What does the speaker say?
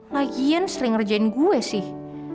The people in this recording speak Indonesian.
lagian sering ngerjain gue sih